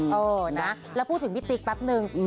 เออนะแล้วพูดถึงพี่ติ๊กแป๊บนึง